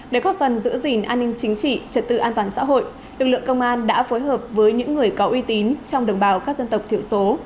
để góp phần giữ gìn an ninh chính trị trật tự an toàn xã hội lực lượng công an đã phối hợp với những người có uy tín trong đồng bào các dân tộc thiểu số